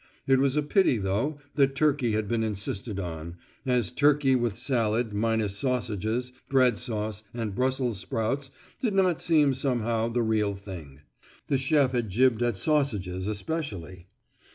It was a pity, though, that turkey had been insisted on, as turkey with salad, minus sausages, bread sauce, and brussels sprouts did not seem somehow the real thing; the chef had jibbed at sausages especially!